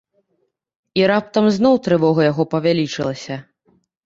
І раптам зноў трывога яго павялічылася.